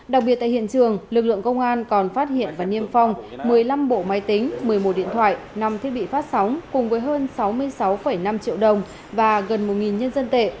đặc biệt tại hiện trường lực lượng công an còn phát hiện và niêm phong một mươi năm bộ máy tính một mươi một điện thoại năm thiết bị phát sóng cùng với hơn sáu mươi sáu năm triệu đồng và gần một nhân dân tệ